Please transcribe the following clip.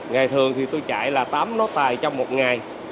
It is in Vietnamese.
ngày thường thì tôi chạy là tám nốt tài trong một ngày